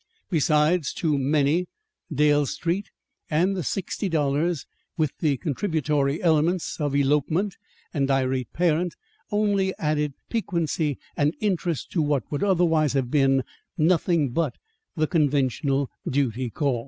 Besides, to many, Dale Street and the sixty dollars, with the contributory elements of elopement and irate parent, only added piquancy and interest to what would otherwise have been nothing but the conventional duty call.